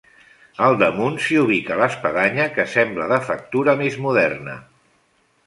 Al damunt s'hi ubica l'espadanya, que sembla de factura més moderna.